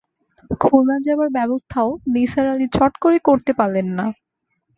খুলনা যাবার ব্যবস্থাও নিসার আলি চট করে করতে পারলেন না।